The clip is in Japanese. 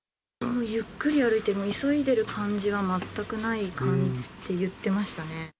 ゆっくり歩いて急いでいる感じは全くない感じって言ってましたね。